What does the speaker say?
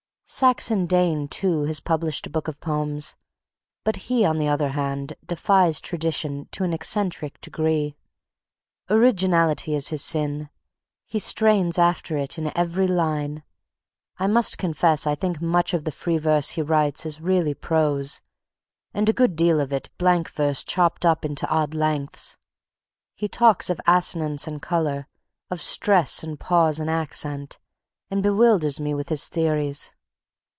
Saxon Dane, too, has published a book of poems, but he, on the other hand, defies tradition to an eccentric degree. Originality is his sin. He strains after it in every line. I must confess I think much of the free verse he writes is really prose, and a good deal of it blank verse chopped up into odd lengths. He talks of assonance and color, of stress and pause and accent, and bewilders me with his theories.